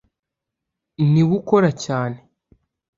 niwe ukora cyane